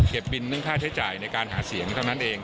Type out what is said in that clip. บินเรื่องค่าใช้จ่ายในการหาเสียงเท่านั้นเอง